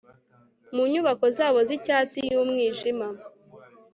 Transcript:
Mu nyubako zabo zicyatsi yumwijima